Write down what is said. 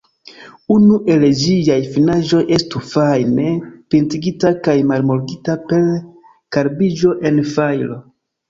Unu el ĝiaj finaĵoj estu fajne pintigita kaj malmoligita per karbiĝo en fajro.